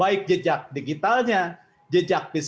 baik jejak digitalnya jejak bisnisnya baik jejak digitalnya